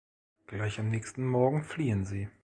Gleich am nächsten Morgen fliehen sie.